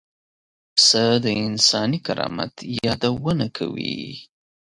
پسه د انساني کرامت یادونه کوي.